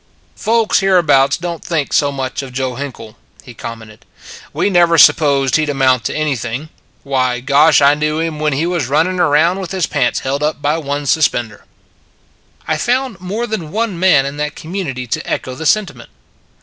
" Folks hereabouts don t think so much of Joe Hinkle," he commented. " We never supposed he d amount to anything. Why, gosh, I knew him when he was run 27 28 It s a Good Old World nin around with his pants held up by one suspender." I found more than one man in that com munity to echo the sentiment.